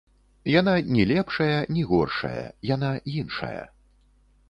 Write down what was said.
Яна ні лепшая, ні горшая, яна іншая.